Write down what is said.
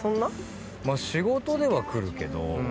仕事では来るけど。